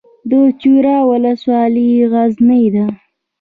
د چوره ولسوالۍ غرنۍ ده